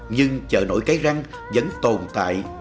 nhưng chợ nổi cái răng vẫn tồn tại nơi này